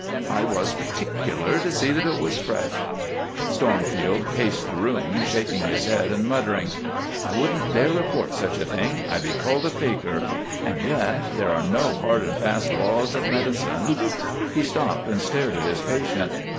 "I was particular to see that it was fresh." Stormfield paced the room, shaking his head and muttering. "I wouldn't dare report such a thing; I'd be called a faker, and yet there are no hard and fast laws of medicine." He stopped and stared at his patient.